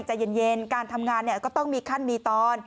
ใจเย็นการทำงานก็ต้องมีขั้นมีตอน